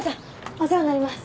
お世話になります。